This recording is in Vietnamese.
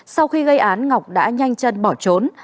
sau khi gây án ngọc đã nhanh chân bỏ trốn